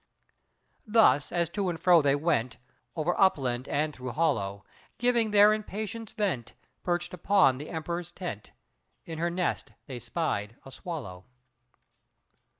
Thus, as to and fro they went, Over upland and through hollow, Giving their impatience vent, Perched upon the Emperor's tent, In her nest, they spied a swallow.